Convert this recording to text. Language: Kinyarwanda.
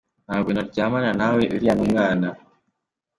Ntabwo naryamana nawe uriya ni umwana.